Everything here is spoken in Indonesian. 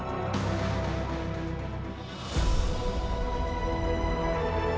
aku mau pergi